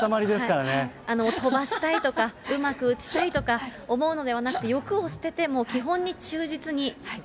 飛ばしたいとか、うまく打ちたいとか思うのではなくて、欲を捨てて、基本に忠実に。